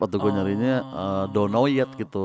atau gue nyarinya don t know yet gitu